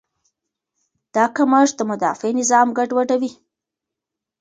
دا کمښت د مدافع نظام ګډوډوي.